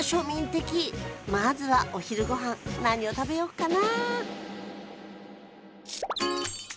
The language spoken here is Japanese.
まずはお昼御飯何を食べようかな？